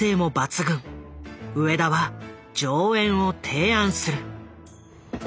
植田は上演を提案する。